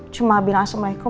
cuma bilang assalamualaikum